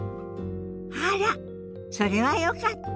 あらそれはよかった。